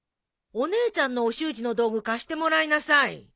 お姉ちゃんのお習字の道具貸してもらいなさい。